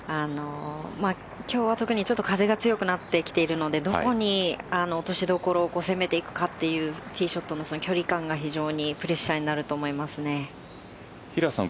今日は特に風が強くなってきているので、どこに落としどころを攻めていくかっていうティーショットの距離感が非常にプレッシャーになる平瀬さん。